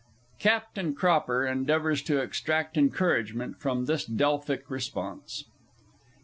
[CAPTAIN CROPPER endeavours to extract encouragement from this Delphic response.